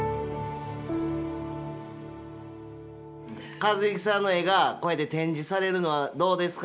「一幸さんの絵がこうやって展示されるのはどうですか？」